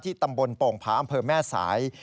ตำบลโป่งผาอำเภอแม่สาย